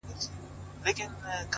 • بل ملګری هم په لار کي ورپیدا سو,